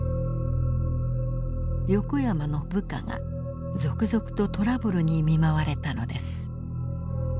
横山の部下が続々とトラブルに見舞われたのです。